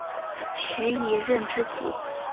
徐以任之子。